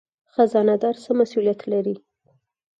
خزانه دار څه مسوولیت لري؟